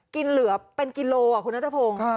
กินเหลือเป็นกิโลค่ะคุณรัฐพงษ์